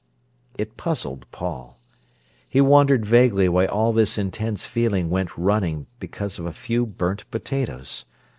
It puzzled Paul. He wondered vaguely why all this intense feeling went running because of a few burnt potatoes.